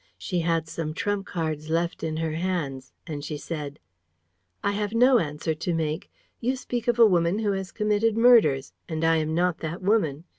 She had some trump cards left in her hand; and she said: "I have no answer to make. You speak of a woman who has committed murders; and I am not that woman.